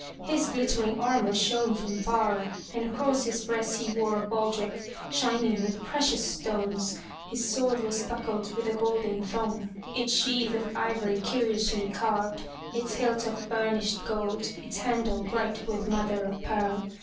His glittering armor shone from far and across his breast he wore a baldric shining with precious stones. His sword was buckled with a golden thong, its sheath of ivory curiously carved, its hilt of burnished gold, its handle bright with mother of pearl.